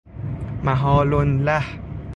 محال له